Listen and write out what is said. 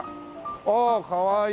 おおかわいい。